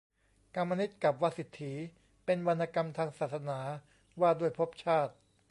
กามนิตกับวาสิฎฐี เป็นวรรณกรรมทางศาสนาว่าด้วยภพชาติ